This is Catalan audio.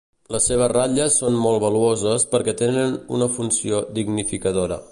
Les seves ratlles són molt valuoses perquè tenen una funció dignificadora.